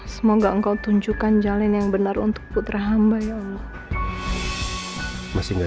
semoga engkau tunjukkan jalan yang benar untuk putra hamba ya allah